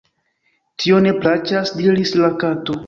"Tio ne plaĉas," diris la Kato.